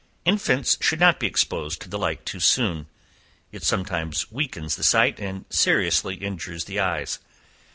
Infants should not be exposed to the light too soon; it sometimes weakens the sight and seriously injures the eyes.